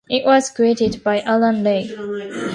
It was created by Aran Rei.